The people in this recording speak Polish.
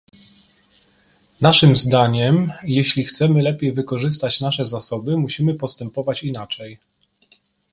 Naszym zdaniem, jeśli chcemy lepiej wykorzystać nasze zasoby, musimy postępować inaczej